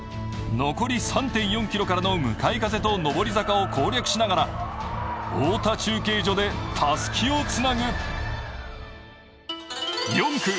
残り３．４ｋｍからの向かい風と上り坂を攻略しながら、太田中継所でたすきをつなぐ！